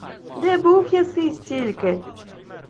— Де був єси стільки?